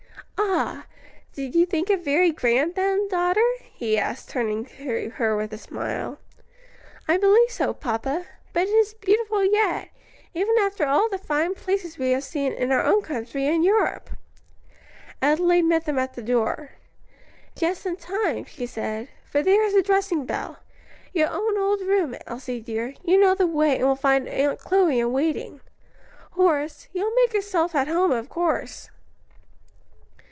"Ah! did you think it very grand then, daughter?" he asked, turning to her with a smile. "I believe so, papa; but it is beautiful yet, even after all the fine places we have seen in our own country and Europe." Adelaide met them at the door. "Just in time," she said, "for there is the dressing bell. Your own old room, Elsie dear: you know the way and will find Aunt Chloe in waiting. Horace, you will make yourself at home of course."